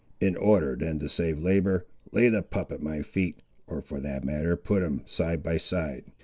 In order then to save labour, lay the pup at my feet, or for that matter put him, side by side.